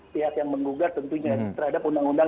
pihak yang menggugat tentunya terhadap undang undang